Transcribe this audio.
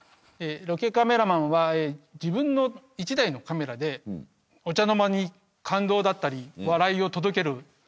ロケカメラマンは自分の１台のカメラでお茶の間に感動だったり笑いを届ける。